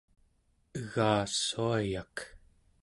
egassuayak